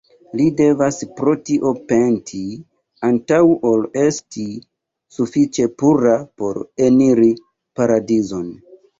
Li devas pro tio penti, antaŭ ol esti sufiĉe pura por eniri Paradizon.